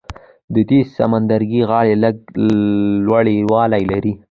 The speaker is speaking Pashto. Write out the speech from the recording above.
د دې سمندرګي غاړې لږ لوړوالی لري.